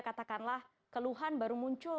katakanlah keluhan baru muncul